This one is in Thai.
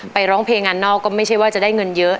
ร้องเพลงงานนอกก็ไม่ใช่ว่าจะได้เงินเยอะ